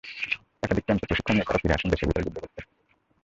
একাধিক ক্যাম্পে প্রশিক্ষণ নিয়ে তাঁরা ফিরে আসেন দেশের ভেতর যুদ্ধ করতে।